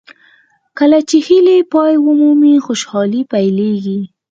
کله چې هیلې پای ومومي خوشالۍ پیلېږي.